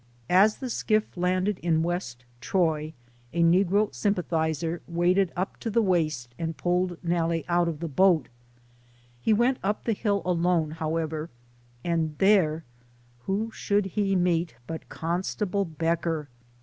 As the skiff landed in West Troy, a negro sym pathizer waded up to the waist, and pulled Nalle out of the boat. He went up the hill alone, how ever, and there who should he meet but Constable Becker